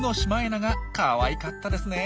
かわいかったですね。